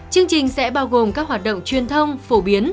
chương trình sẽ bao gồm các hoạt động truyền thông phổ biến